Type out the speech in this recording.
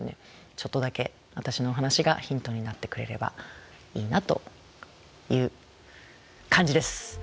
ちょっとだけ私のお話がヒントになってくれればいいなという感じです。